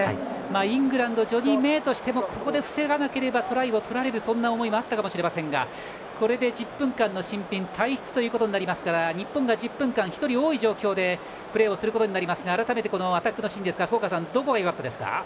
イングランドジョニー・メイとしてもここで防がなければトライを取られるそんな思いがあったかもしれませんが１０分間のシンビンとなるので日本が１０分間、１人多い状況でプレーすることになりますがアタックのシーンどこがよかったですか。